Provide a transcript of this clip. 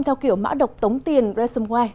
theo kiểu mã độc tống tiền resumway